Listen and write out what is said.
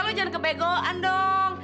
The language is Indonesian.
lu jangan kebegoan dong